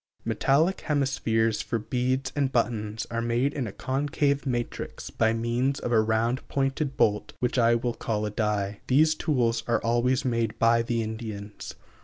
Metallic hemispheres for beads and buttons are made in a concave matrix by means of a round pointed bolt which I will call a die. These tools are always made by the Indians.